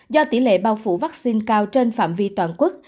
do tỷ lệ bao phủ vaccine cao trên phạm vi toàn quốc